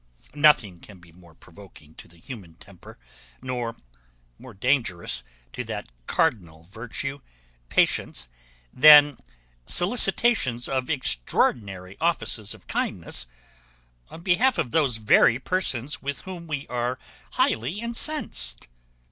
Nothing can be more provoking to the human temper, nor more dangerous to that cardinal virtue, patience, than solicitations of extraordinary offices of kindness on behalf of those very persons with whom we are highly incensed.